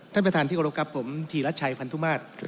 ท่านประธานที่กรบครับผมธีรัชชัยพันธุมาตร